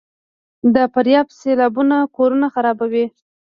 د فاریاب سیلابونه کورونه خرابوي؟